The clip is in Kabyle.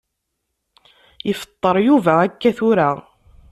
Ifeṭṭer Yuba akka tura.